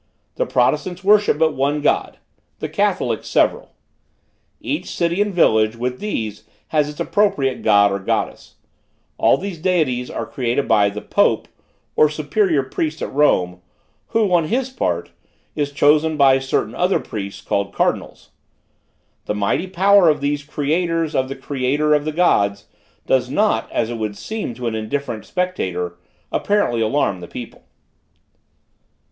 The protestants worship but one God; the catholics, several. Each city and village, with these, has its appropriate God or Goddess. All these deities are created by the pope, or superior priest at Rome, who, on his part, is chosen by certain other priests, called cardinals. The mighty power of these creators of the creator of the gods, does not, as it would seem to an indifferent spectator, apparently alarm the people.